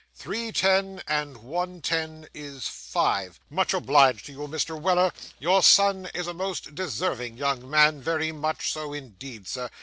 'Three ten and one ten is five. Much obliged to you, Mr. Weller. Your son is a most deserving young man, very much so indeed, Sir.